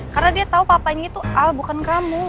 karena dia tau papanya itu al bukan kamu